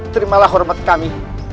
terimalah hormat kami